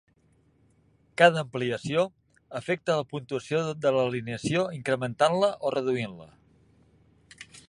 Cada ampliació afecta a la puntuació de l'alineació incrementant-la o reduint-la.